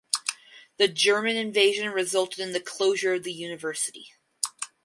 The German invasion resulted in the closure of the university.